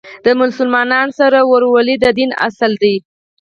د مسلمانانو سره ورورولۍ د دین اصل دی.